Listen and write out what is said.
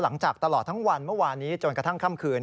ตลอดทั้งวันเมื่อวานนี้จนกระทั่งค่ำคืน